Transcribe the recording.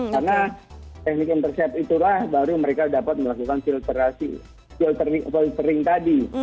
karena teknik intercept itulah baru mereka dapat melakukan filtering tadi